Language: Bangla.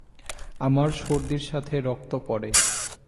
আমার সর্দির সাথে রক্ত পরে।